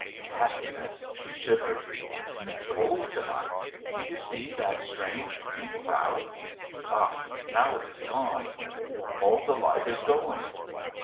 "Happiness?" she shivered. "Isn't it cold to night? Do you see that strange green cloud? Ah, now it is gone. All the light is going....